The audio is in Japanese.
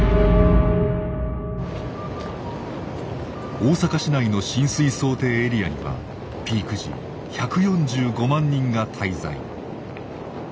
大阪市内の浸水想定エリアにはピーク時１４５万人が滞在。